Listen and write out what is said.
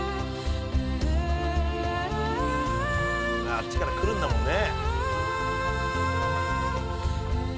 「あっちから来るんだもんね」